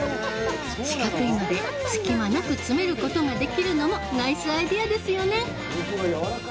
四角いので、隙間なく詰めることができるのもナイスアイデアですよね。